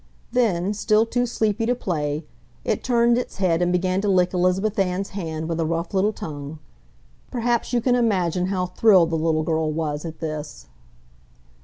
Then, still too sleepy to play, it turned its head and began to lick Elizabeth Ann's hand with a rough little tongue. Perhaps you can imagine how thrilled the little girl was at this!